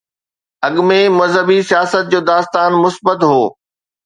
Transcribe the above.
اڳ ۾ مذهبي سياست جو داستان مثبت هو.